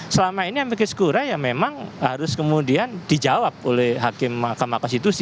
selama ini amerika skura ya memang harus kemudian dijawab oleh hakim mahkamah konstitusi